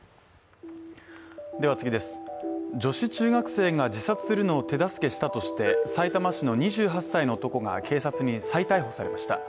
女子中学生が自殺するのを手助けしたとしてさいたま市の２８歳の男が警察に再逮捕されました。